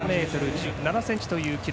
１回目、７ｍ２７ｃｍという記録